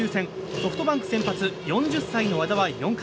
ソフトバンク先発４０歳の和田は４回。